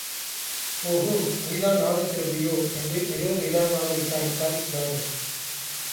ஒஹோ, நீதான் நாதசுரபியோ? என்று மிகவும் நிதானமாக விசாரித்தாள் இளவரசி.